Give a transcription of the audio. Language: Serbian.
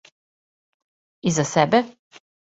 И за себе?